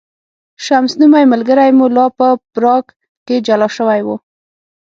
شمس نومی ملګری مو لا په پراګ کې جلا شوی و.